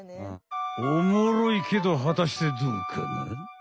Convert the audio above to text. おもろいけどはたしてどうかな？